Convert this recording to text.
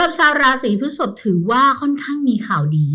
ชาวราศีพฤศพถือว่าค่อนข้างมีข่าวดี